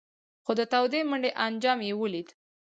خو د تودې منډۍ انجام یې ولید.